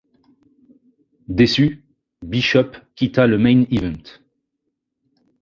Déçu, Bishop quitta le Main Event.